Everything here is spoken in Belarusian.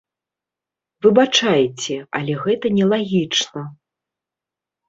Выбачайце, але гэта нелагічна.